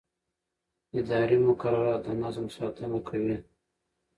اداري مقررات د نظم ساتنه کوي.